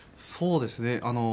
そうですね。